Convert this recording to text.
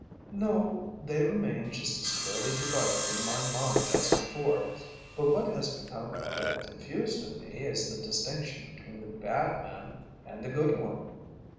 "No, they remain just as clearly divided in my mind as before, but what has become a little confused in me is the distinction between the bad man and the good one.